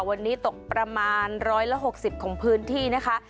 วันนี้ตกประมาณ๑๖๐ของพื้นที่นะคะ